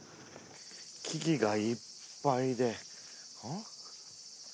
木々がいっぱいで。